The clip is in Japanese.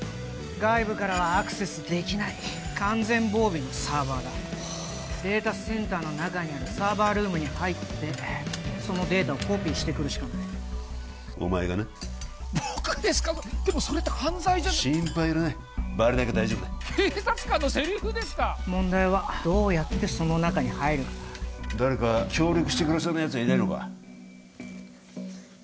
外部からはアクセスできない完全防備のサーバーだデータセンターの中にあるサーバールームに入ってそのデータをコピーしてくるしかないお前がな僕ですかでもそれって犯罪じゃ心配いらないバレなきゃ大丈夫だ警察官のセリフですか問題はどうやってその中に入るかだ誰か協力してくれそうなやつはいないのか？